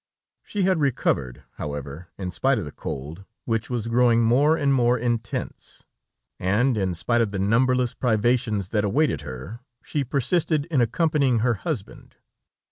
She had recovered, however, in spite of the cold, which was growing more and more intense, and in spite of the numberless privations that awaited her, she persisted in accompanying her husband.